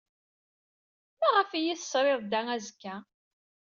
Maɣef ay iyi-tesrid da azekka?